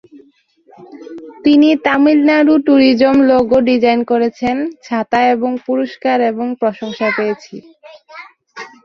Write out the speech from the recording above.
তিনি Tamil Nadu tourism logo design করেছেন ছাতা এবং পুরস্কার এবং প্রশংসা পেয়েছি।